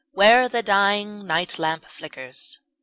Where the dying night lamp flickers.